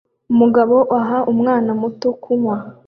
Umugabo uha umwana muto kunywa